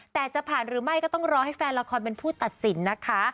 แต่จะผ่านหรือไม่ก็ต้องรอให้แฟนละครเป็นผู้ตัดสินนะคะ